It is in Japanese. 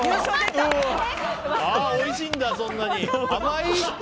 おいしんだ、そんなに。